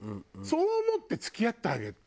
そう思って付き合ってあげる。